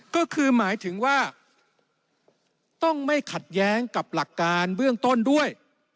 ก็คือหมายถึงว่าต้องไม่ขัดแย้งกับหลักการเบื้องต้นด้วย